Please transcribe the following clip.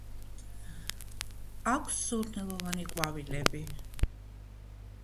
აქვს სურნელოვანი ყვავილები.